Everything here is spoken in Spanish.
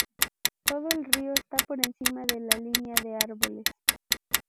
Todo el río está por encima de la línea de árboles.